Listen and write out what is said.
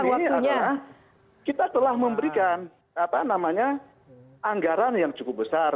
di sini adalah kita telah memberikan anggaran yang cukup besar